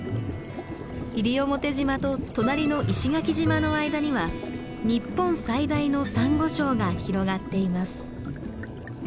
西表島と隣の石垣島の間には日本最大のサンゴ礁が広がっています。